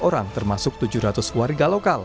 orang termasuk tujuh ratus warga lokal